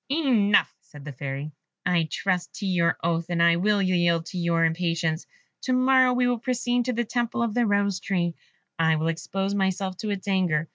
"Enough," said the Fairy; "I trust to your oath, and I will yield to your impatience. To morrow we will proceed to the temple of the Rose tree. I will expose myself to its anger.